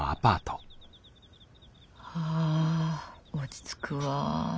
はぁ落ち着くわ。